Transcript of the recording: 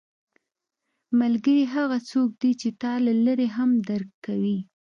ملګری هغه څوک دی چې تا له لرې هم درک کوي